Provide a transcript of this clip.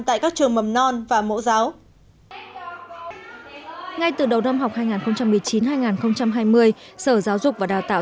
tại các trường mầm non và mẫu giáo ngay từ đầu năm học hai nghìn một mươi chín hai nghìn hai mươi sở giáo dục và đào tạo